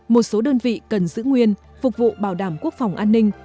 một số đơn vị cần giữ nguyên phục vụ bảo đảm quốc phòng an ninh